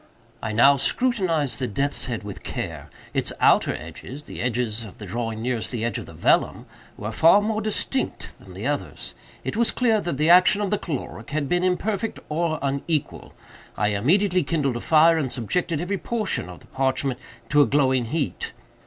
"I now scrutinized the death's head with care. Its outer edges—the edges of the drawing nearest the edge of the vellum—were far more distinct than the others. It was clear that the action of the caloric had been imperfect or unequal. I immediately kindled a fire, and subjected every portion of the parchment to a glowing heat.